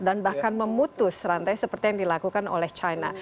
dan bahkan memutus rantai seperti yang dilakukan oleh china